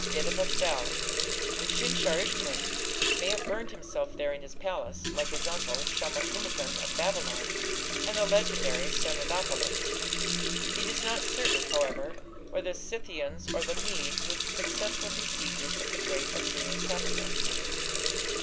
Nineveh fell, and Sin shar ishkun may have burned himself there in his palace, like his uncle, Shamash shum ukin of Babylon, and the legendary Sardanapalus. It is not certain, however, whether the Scythians or the Medes were the successful besiegers of the great Assyrian capital.